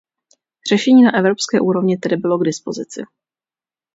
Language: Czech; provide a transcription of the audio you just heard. Řešení na evropské úrovni tedy bylo k dispozici.